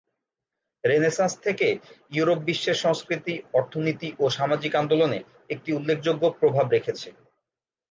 Renaissance থেকে, Europe বিশ্বের সংস্কৃতি, অর্থনীতি ও সামাজিক আন্দোলনে একটি উল্লেখযোগ্য প্রভাব রেখেছে।